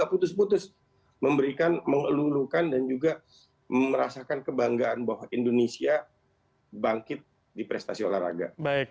putus putus memberikan mengelulukan dan juga merasakan kebanggaan bahwa indonesia bangkit di prestasi olahraga